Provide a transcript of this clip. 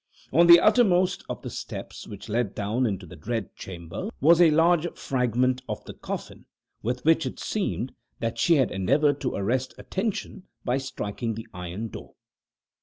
On the uttermost of the steps which led down into the dread chamber was a large fragment of the coffin, with which, it seemed, that she had endeavored to arrest attention by striking the iron door.